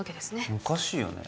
おかしいよね？